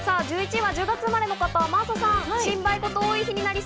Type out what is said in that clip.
１１位は１０月生まれの方、真麻さん。